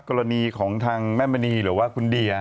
กรณีของทางแม่มณีหรือว่าคุณเดีย